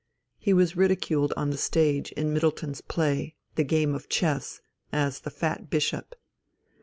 He was ridiculed on the stage in Middleton's play, The Game of Chess, as the "Fat Bishop."